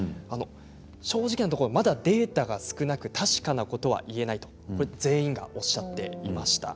正直なところ、まだデータが少なく確かなことは言えないと全員がおっしゃっていました。